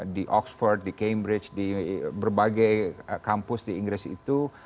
di oxford di cambridge di berbagai kampus di inggris itu